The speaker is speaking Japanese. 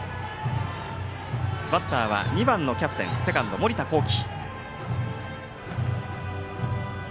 バッターは２番のキャプテン、セカンド森田光希。